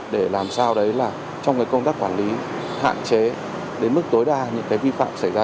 để làm sao đấy là trong cái công tác quản lý hạn chế đến mức tối đa những cái vi phạm xảy ra